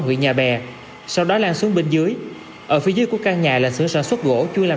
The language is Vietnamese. huyện nhà bè sau đó lan xuống bên dưới ở phía dưới của căn nhà là xưởng sản xuất gỗ chưa làm